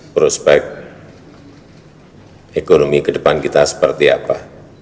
prospek ekonomi ke depan kita seperti apa